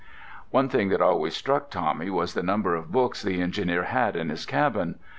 One thing that always struck Tommy was the number of books the engineer had in his cabin.